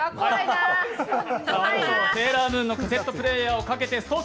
「セーラームーン」のカセットプレイヤーをかけてストⅡ